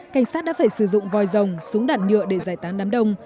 cảnh sát đã phải sử dụng voi rồng súng đạn nhựa để giải tán đám đông